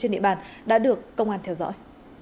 địa bàn đã được công an theo dõi